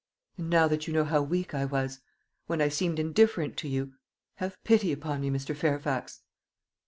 "And now that you know how weak I was, when I seemed indifferent to you, have pity upon me, Mr. Fairfax."